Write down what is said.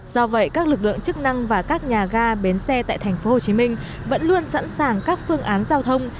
do vậy các lực lượng chức năng và các nhà ga bến xe tại thành phố hồ chí minh vẫn luôn sẵn sàng các phương án giao thông